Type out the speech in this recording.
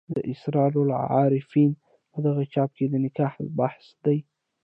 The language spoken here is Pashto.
د اسرار العارفین په دغه چاپ کې د نکاح بحث دی.